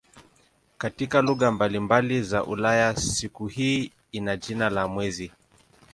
Katika lugha mbalimbali za Ulaya siku hii ina jina la "mwezi".